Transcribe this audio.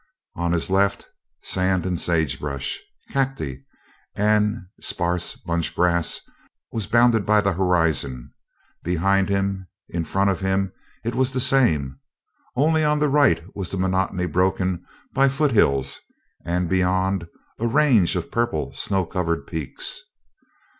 On his left the sand and sagebrush, cacti and sparse bunch grass was bounded by the horizon; behind him, in front of him, it was the same; only on the right was the monotony broken by foothills and beyond, a range of purple snow covered peaks.